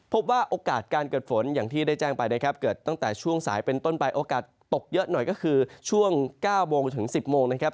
โอกาสการเกิดฝนอย่างที่ได้แจ้งไปนะครับเกิดตั้งแต่ช่วงสายเป็นต้นไปโอกาสตกเยอะหน่อยก็คือช่วง๙โมงถึง๑๐โมงนะครับ